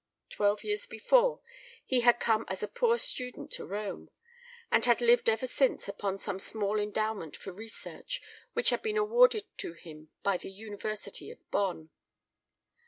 Twelve years before, he had come as a poor student to Rome, and had lived ever since upon some small endowment for research which had been awarded to him by the University of Bonn.